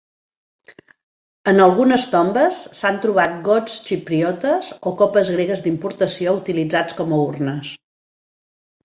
En algunes tombes s'han trobat gots xipriotes o copes gregues d'importació utilitzats com a urnes.